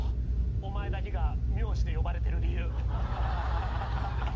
お前だけが名字で呼ばれてる理由。